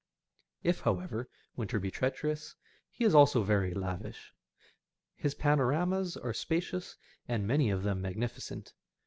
If, however, winter be treacherous, he is also very lavish. His panoramas are spacious, and many of them magnificent.